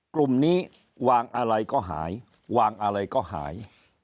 กลุ่มนี้วางอะไรก็หายวางอะไรก็หาย